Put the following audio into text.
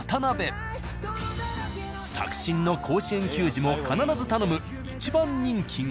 作新の甲子園球児も必ず頼む一番人気が。